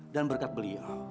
dan berkat beliau